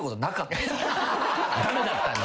駄目だったんだ。